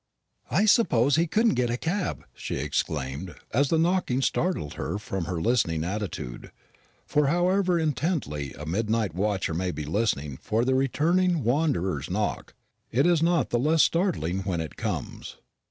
"I suppose he couldn't get a cab," she exclaimed, as the knock startled her from her listening attitude for however intently a midnight watcher may be listening for the returning wanderer's knock, it is not the less startling when it comes.